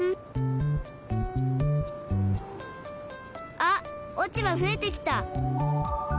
あっ落ち葉ふえてきた。